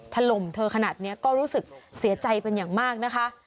ถล่มเธอขนาดนี้ก็รู้สึกเสียใจเป็นอย่างมากนะคะ